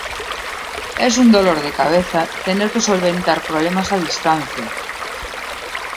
es un dolor de cabeza tener que solventar problemas a distancia